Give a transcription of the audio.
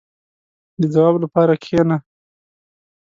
• د ځواب لپاره کښېنه.